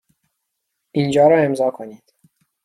اینجا را امضا کنید.